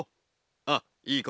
あっいい